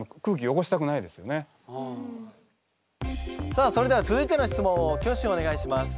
さあそれでは続いての質問を挙手お願いします。